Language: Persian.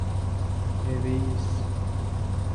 اِریس